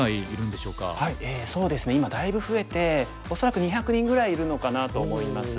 そうですね今だいぶ増えて恐らく２００人ぐらいいるのかなと思います。